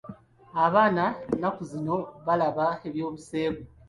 Abaana nnaku zino balaba eby'obuseegu.